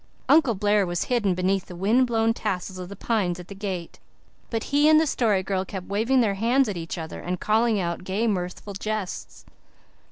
Uncle Blair was hidden behind the wind blown tassels of the pines at the gate, but he and the Story Girl kept waving their hands at each other and calling out gay, mirthful jests.